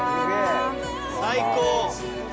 最高！